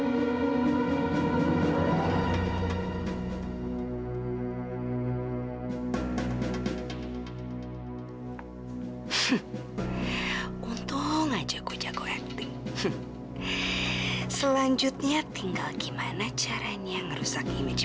hai untuk ngajak ngajak selanjutnya tinggal gimana caranya ngerusak image